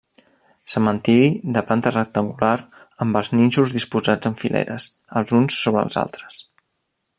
Cementiri de planta rectangular amb els nínxols disposats en fileres, els uns sobre els altres.